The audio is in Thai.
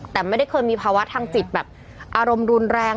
แต่ไม่ได้เคยมีภาวะทางจิตแบบอารมณ์รุนแรง